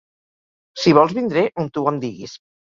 Si vols vindré on tu em diguis.